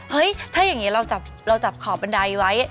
เฮ้ยถ้าอย่างนี้เราจับขอบบันไดไว้